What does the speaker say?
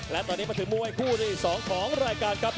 และตอนนี้มันถึงมุมไว้คู่แล้วนะครับ